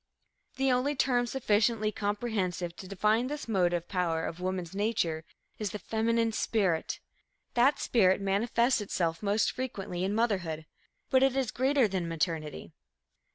The only term sufficiently comprehensive to define this motive power of woman's nature is the feminine spirit. That spirit manifests itself most frequently in motherhood, but it is greater than maternity.